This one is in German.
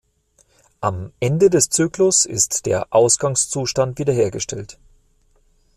Am Ende des Zyklus ist der Ausgangszustand wiederhergestellt.